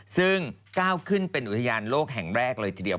ซึ่งก้าวขึ้นเป็นอุทยานโลกแห่งแรกเลยทีเดียว